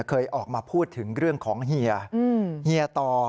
เคยออกมาพูดถึงเรื่องของเฮียเฮียต่อ